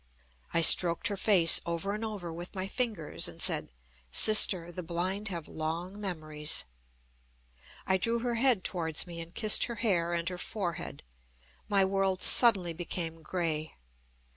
I stroked her face over and over with my fingers, and said: "Sister, the blind have long memories." I drew her head towards me, and kissed her hair and her forehead. My world suddenly became grey.